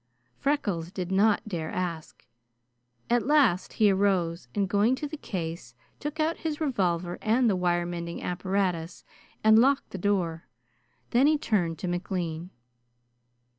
Freckles did not dare ask. At last he arose, and going to the case, took out his revolver and the wire mending apparatus and locked the door. Then he turned to McLean.